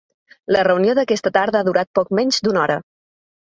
La reunió d’aquesta tarda ha durat poc menys d’una hora.